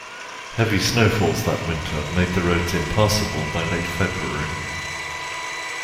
Heavy snowfalls that winter made the roads impassable by late February